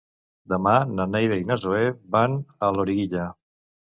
Demà na Neida i na Zoè van a Loriguilla.